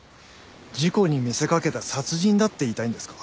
事故に見せかけた殺人だって言いたいんですか？